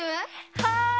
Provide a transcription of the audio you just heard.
はい！